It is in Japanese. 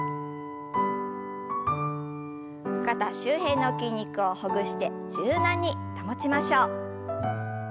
肩周辺の筋肉をほぐして柔軟に保ちましょう。